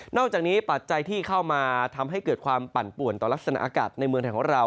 อกจากนี้ปัจจัยที่เข้ามาทำให้เกิดความปั่นป่วนต่อลักษณะอากาศในเมืองไทยของเรา